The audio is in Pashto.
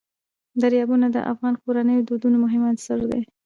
دریابونه د افغان کورنیو د دودونو مهم عنصر دی.